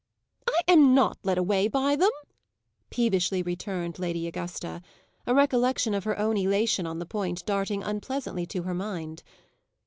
"I am not led away by them," peevishly returned Lady Augusta, a recollection of her own elation on the point darting unpleasantly to her mind.